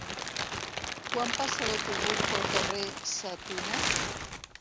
Quan passa l'autobús pel carrer Sa Tuna?